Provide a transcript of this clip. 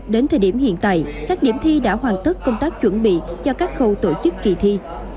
đến thời điểm hiện tại các điểm thi đã hoàn tất công tác chuẩn bị cho các khâu tổ chức kỳ thi